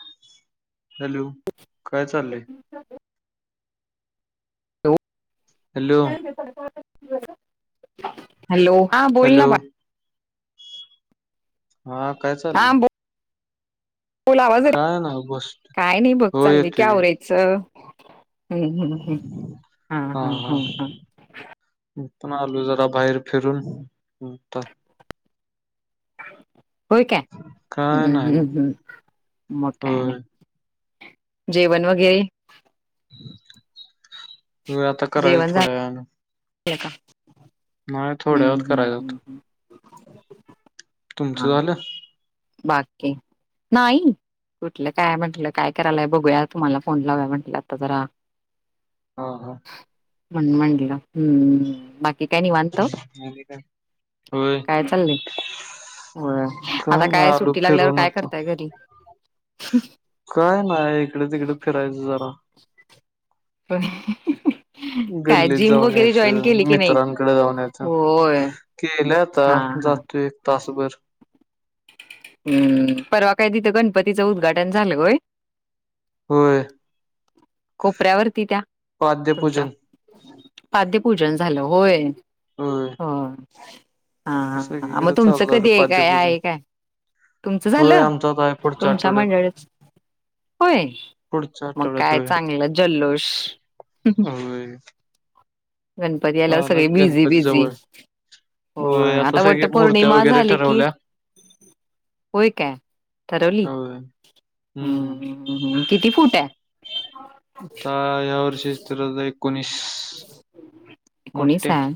[unintelligible] Hello काय चाललंय hello [unintelligible] hello [unintelligible] hello हा बोल हॅलो ना, बा हा काय हा चाललंय? बोल बोल आवाज काय ना बस [inaudible] काय नाही बघ हो चालले की येतोय आवरायचं. [unintelligible] हम्म हम्म हम्म हा हा मी पण आलो जरा बाहेर फिरून आता. [unintelligible] होय काय, काय नाही हम्म मग काय होय नाही. जेवण वगैरे, आता करायच थोड्या वेळान. का? नाही थोड्यावत करायच आता. तुमचं हा झालं. बाकी नाही कुठलं काय म्हटलं काय करायचा, बघूया तुम्हाला फोन लावू या म्हटलं आता जरा, हा हा, म्हणून म्हंटलं, हम्म बाकी की काय निवांत आणि काय होय काय चापल्य? होय. हो काय आलो सुट्टी लागल्यावर फिरून काय आता करताय घरी काय नाही इकडे तिकडे फिरायचं जरा. [unintelligible] ह गल्लीत जाऊन यायचं की नाही मित्रांकडे जाऊन यायचं होय केलं आता, हा हा जातो एक तासभर हम्म, परवा काय तिथं गणपतीचं उद्घाटन झालं होय. होय. कोपऱ्यावरती त्या, तुमच्या पाद्यपूजन, पाद्यपूजन झालं होय. होय हा, [unintelligible] हा हा हा, मग सगळीकडे तुमचं चालू झालं कधी आहे. काय पाद्यपूजन आहे काय? तुमचं होय झालं. आमचा आता आहे पुढच्या तुमच्या आठवड्यात मंडळी होय पुढच्या मग आठवड्यात काय होय चांगलं जल्लोष. [unintelligible] गणपती आल्यावर आला सगळे की बिझी गणपती बिझी, जवळ हो होय आता वट सगळे मूर्त्या पौर्णिमा वगैरे झाली कि, ठरवल्या होय काय ठरवली होय हम्म किती फूट आहे. ता या वर्ष इस्तर एक कोणी स मोठे आहे.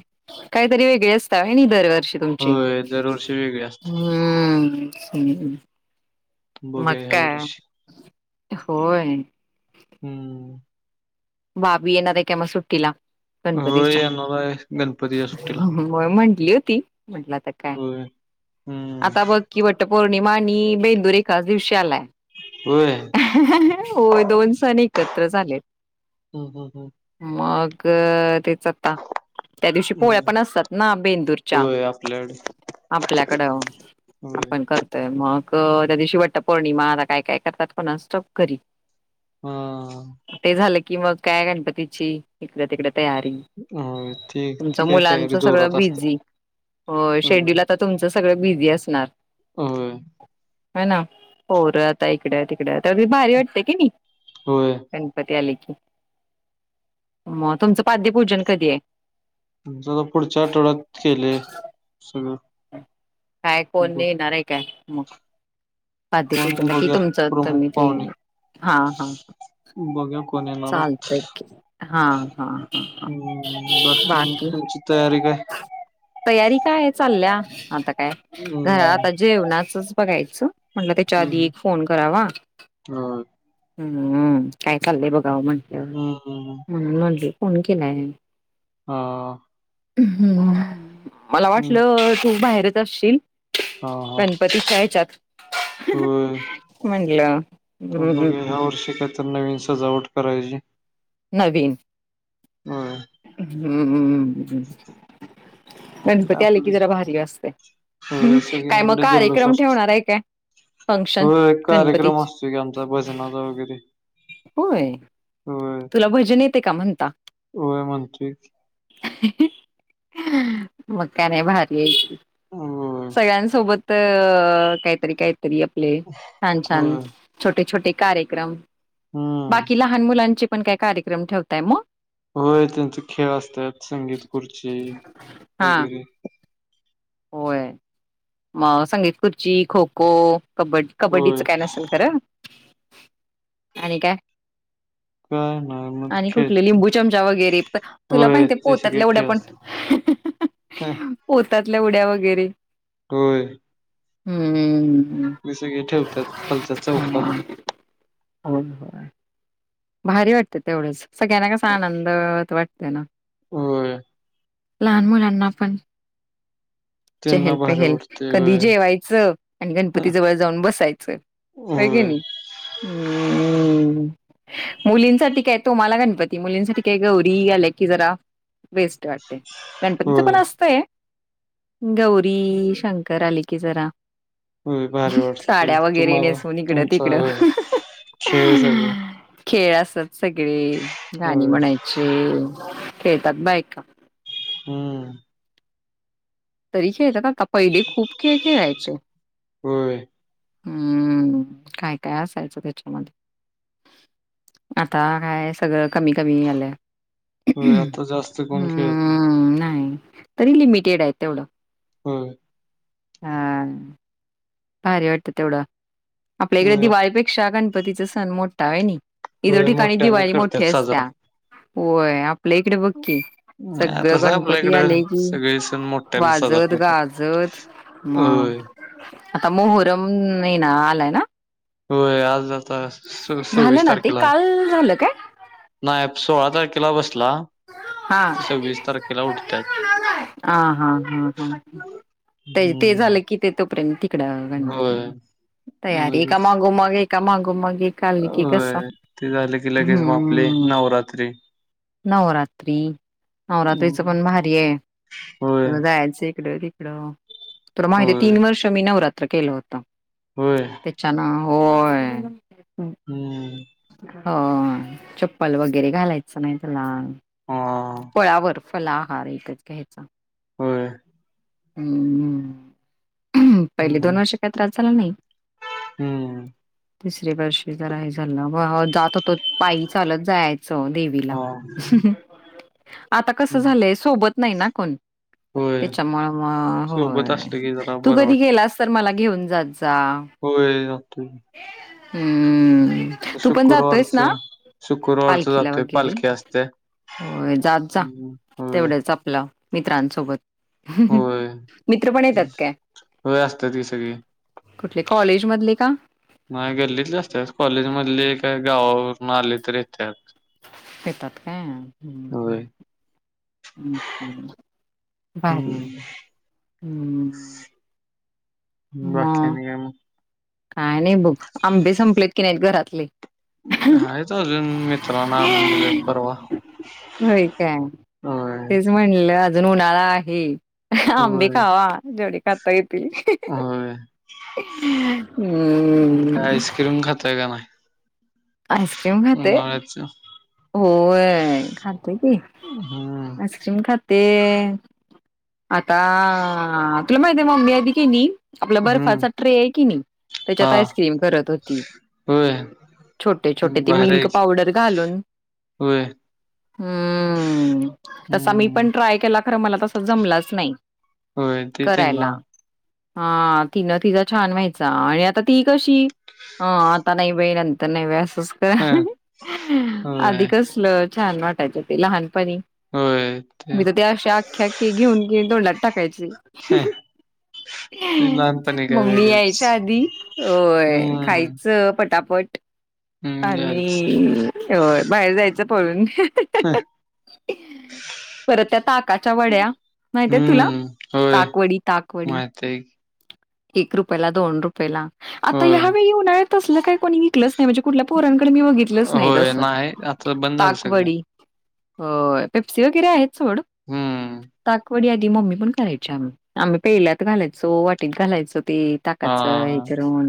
काहीतरी वेगळे असतातय नि दर तुमची होय दरवर्षी वेगळे असते हम् हम् हम् बघूया ह्या मका वर्षी होय हम्म बाबी येणारेका मग सु्टिला? होय गणपतीच्या येणार आहे गणपतीच्या सुट्टीला म्हटली होती. म्हटला तर काय? होय हम्म ता बघ की बटपौर निमा आणि बेंदूरी एकाच दिवशी आलाय. होय होय दोन सण एकच त झाले. हम हम हम् अ ते ता त्या दिवशी पोळ्या हम्म पण असतात ना, बेंदूरच्या होय आपल्याकडे आपल्याकडं होय आपण करतोय मग. त्या दिवशीवट्ट पौर्णिमा, आता काय? काय? करतात पण स्टप घरी. हा ते झालं की मग काय गणपती इकडे तिकडे तयारी होय. ती तुमच ती काय मुलांच तयारी सगळ जोरात असते. बिझी. हो होय. शेड्युल्ड आता तुमचचं. सगळ बिझी असणार त होय ह ना होरं आता इकड तिकड तरी भारी वाटते की नाही? होय ते आले की, मग तुमचं पाद्यपूजन कधी आहे. तुमच पुढच्या आठवड्यात केलेय सगळं. काय? कोण ब नेणारे का? काय मक कोण बाध्यला कि बघूया तुमचं प्रमुख मी ते पाहुणे. हा हा बघूया कोण येणार आहेत. चालत की हा हा हा हा हम्म. मग बाकी. तुमची तयारी काय? तयारी काय चालल्या आता. का घर हम्म. आता जेवणाचचं बघायचं स म्हटलं त्याच्या आधी हम्म. एक फोन करावा. होय. हम्मम काय चाललंय बघ. [unintelligible] [unintelligible] हम्म. म्हणून म्हटली फोन केला आहे. आ हम्म मला वाटलं तू बाहेरच करशील हां, [inaudible] हां. गणपती च्या यायच्या आत [unintelligible] होय. म्हटलं हम्म बघूया हम्म ह्या वर्षी तर काहीतरी नवीन सजावट करायची. नवीन होय. [unintelligible] हम्म हम्म हम्म हम्म काय गणपती आले कि आपली जरा भारी असतय होय. काय मग सगळीकडे जल्लोष कार्यक्रम असतो. ठेवणार आहे काय फंक्शन होय. गणपती कार्यक्रम ची असतो की आमचा भजनाचा वगैरे. होय होय. तुला भजन येतय का म्हणता. होय म्हणतोय की [unintelligible] मकाने भारी हां सगळ्यांसोबत अ काहीतरी काही काह आपले छान छान होय छोटे छोटे कार्यक्रम हम्म बाकी लहान मुलांची पण काय कार्यक्रम ठेवताय मग होय त्यांचे खेळ असतात संगीत खुर्ची हा वगैरे होय म संगीत खुर्ची खो खो कब्बडी कबड्डीचं होय काय नसेल खरं आणि काय काय नाही मग ते आणि कुठले खेळते लिंबू चमचा वगैरे तुला होय माहिती ते पोतात सगळे ल्या उड्या खेळ पन असतात हं, पोत्यात ल्या उड्या वगैरे होय होय हम्म हे सगळे ठेवतात खालच्या चौकात हो ह भारी वाटते तेवढंच सगळ्यांना कसा आनंद वाटते ना हो लहान मुल अ्ना पण त्यांना चहल भारी पहेल वाटते कधी होय जेवायचं आणि हं, गणपती जवळ जाऊन बसायचं की होय नाही हम् मुलींसाठी काय तोम्हाला गणपती मुलींसाठी काय गौरी आले की जरा वेस्ट वाटते गणपतीचं पण होय असते गौरी शंकर आली ओ ककी जरा हो भारी वाटते साड्या वगैरे तुम्हाला नेसून इकडं तुमचा तिकडं खेळ सगळे खेळ असत सगळे गाणी होय म्हणायचे खेळतात बायक का हम्म तरीचेता ता पहिले खूप खेळ खेळायचे हो हम्म काय काय असायचं त्याच्यामध्ये आता काय सगळं कमी कमी आलंय हो आता जास्त कोण खेळत ना हम्म नाही तरी लिमिटेड आहे तेवढं होम हम् भर वाटत एवढा आपल्या इकडे होय दिवाळीपेक्षा गणपतीच सण मोठ त आहेयनी इतर होय ठिकाणी मोठ्यानं दिवाळी करतात मोठठी साजरा. असत्या हो आहे आप आपल्या इकडे बघकी अं, सगळं तसं आपल्या गणपती इकडं आले की सगळे सण मोठ्यानं साजरा वाजत करतात. गाजत मग होय. मोहरम ये ना आलाय ना होय आज आता झालं सव्वीस ना ते तारखेला आहे काल झालं काय नाही सोळा तारखेला बसला हा सव्वीस तारखेला उठतात हा हा हा हा ते ते हम् झालं की ते तोपर्यंत गणपती तयारी का मग मग कामा गुमग अ ते झालं की लगेच मा आपले नवरात्री नवरराात्री नवरात्रीच हम्म. पण भारी आहे होय. जायचं इकडे इडा तर माहिती आहे होय. तीन वर्ष मी नवरात त केलं होतम होय. त्याच्या ना होय हम्म हो चप्पल वगैरे घालायचं नाही तला हां. पयावरर फलाहार यच घ्यायचा होय. हम पहिले दोन हम्म. वर्ष काही त्रास झाला नाही हम्म. तिसरे वर्षी जरा जात होतो पाय चालत जायच स देवीला हां. आता कसं झालंय सोबत नाही ना कोण होय. त्याच्यामु म सोबत होय असलं की तू कधी गेलास तर मला घेऊन अ् हो आत हम्म तू पण जातोयस शुक्रवारच ना शुक्रवारच पालखीला जातोय वगैरे? पालखी असते होय जात जा हो तेवढंच आपलं मित्रांसोबत मित्र पण येतात काय होय असतात की सगळी कुठले कॉलेज मधले का म गल्लीत जास्त कॉलेज मधले का गावावरून आले तर य तेत येतात का हम् का भहेारी हम्म हम्म बाकी्यानी का म का नाही बघ आंबे संपलेत की नाहीत घरात [unintelligible] आहेाच अजून मित्रांना आणून दिलेत परवा होय हो जणून ना आळा आहे अंबी खावा जडी खात होई त अं काय आईस्क्रीम खातय का नाय? आईस्क्रीम खाते होय खाते की हम्म आइस्क्रीम खाते. आता तुला माहिती आहे मम्मी आदी की नी आपला हम्म बर्फाचा ट्रे आहे कि नी हा त्याच्यात आईस्क्रीम करत होती होय छोटे छोटे ते भारी आहे मिल्क की पावडर घालून होय हम्म तसा मी हम्म पण ट्राय केला खरं मला तसा जमलाच नाही. होय ते तीनला हा तिनं तिचा छान व्हायचा आणि आता ती कशी अ आता नाही बई नंतर नाही वेळस. हां, [unintelligible] होय, आधी कसलं छान वाटायचं ते लहान पणी मी त ते अशे अख्खे अख्खे घेऊन घेऊन की तोंडांत टाकायचे. हें मम्मी यायच्या आधी होय हं, खायचं पटा पट हं, यायच. आणि होय बाहेर जायचं पळून परत त्या ताकाच्या वड्या, माहितय तुला ताकवडी ताकवडी. ते एक रुपयला दोन रुपयला आता होय, ह्यावेळी उन्हाळ्यात तसलं काही कोणी विकलचं नाही म्हणजे कुठलं पोरांकडे मी बघितलंच नाही होय. तसं नाही आता बंद झालं सगळं. ताकवडी होय पेप्सी वगेरे आहेत सोड हं, ताकवडी आधी मम्मी पण करायची आम्ही, आम्ही पहिल्या त घालायचो वाटीत घालायचो. ते ताकाचा हे हां. करून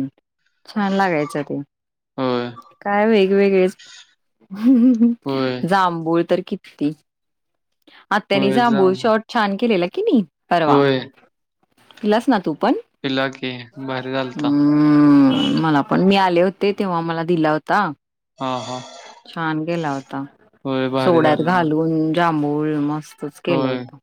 छान लागायच ते, होय, काय वई वेगळेच होय, जांभूळ तरी कित्ती आत त्यांनी होय. जा जांभूळ मग. शॉर्ट छान केलेला. कि नी परवा होय, पिलास ना तू? पण. पिला की भारी झालता. हम मलापण मि आले ले होते तेव्हा मला दिला होता. हां, हां. छान गेलावत. होय, भारी सोड्यात झाला. घालून जाबळ मस्. तेच केल होय. होत.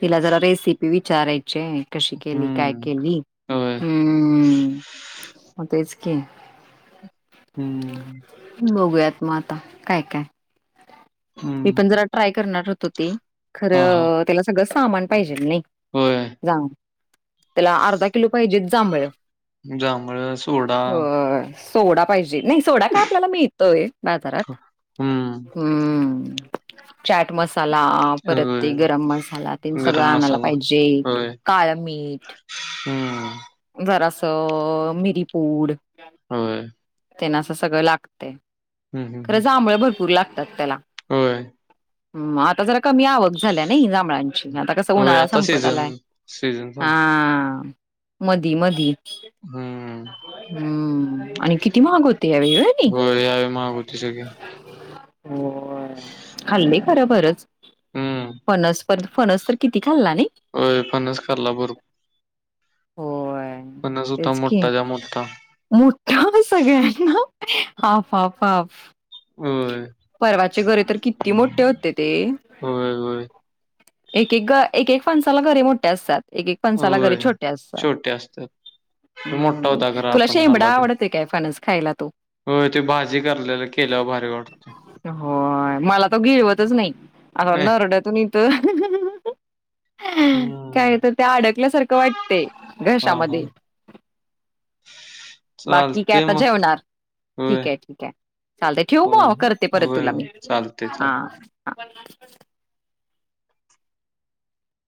तिला जरा रेसिपि विचारयच कशी केली काय हं, केली् होय. म तेच- क- हम्म. बघूयात मग आता काय काय. हं. मी पण जरा ट्राय करणार होत त हुती. हां, हां. खरं त्याला सगळं सामान पाहिजेल नाही? होय. जा. त्याला अर्धा किलो पाहिजे जांभळ. जांभळ सोडा. अ सोडा पाहिजे नाही सोडा काय आपल्याला मिळत. तोय बाजारात हं, हम्म. चाट मसाला. मसाला परत ते होय. गरम मसाला ते सगळं गरम आणायला मसाला पाहिजे होय काळ मीठ हम्म जरा. अ मिरीपूड. होय. तेना असं सगळं लागते. हम्म हम्म खरं हम्म जांभळ भरपूर लागत. तर त्याला. होय. हम् आता जरा कमी आवक झाल्या नाही जांभळांची आता कस होय उन्हाळा आता संपत सीझन आलाय सीझन संपला हा. मध मधी हम्म हम्म आणि किती महाग होते या वेळी व्हंणी होय यावेळी महाग होती सगळी [unintelligible] होय खाल्ली खरं बरंच हम्म फनस पण फणस तर किती खाल्ला नाही. होय फनस खाल्ला भरपूर होय फणस होता तेच की मोठाच्या मोठा मोठ्ठा सगळ्यांना [unintelligible] हाफ हाफ हाफ होय परवाचे गरे तर किती मोठे होते ते होय होय एक-एक एक-एक फणसाला गरे मोठे असतात. एक एक फणसाला गरे होय छोटे असतात. छोटे असतात तो मोठा हं होता खरं तुला आपण शेंबडा खाल्ला तो आवडतंय काय फणस? खायला तो होय. त्यो भाजी करलेला केल्यावर भारी वाटतोय होय मला तो गिळवतचं नाही अवो नरडयातून इतंक तर हम्म काय तर त्या अडकल्यासारखं वाटतयं. हा हा घशामध्ये बाकी काय चालते आता मग जेवणार. होय ठीक आहे ठीक आहे चालतंय ठेवू होय मग करते परत होय तुला होय मी चालते चालते हा [unintelligible]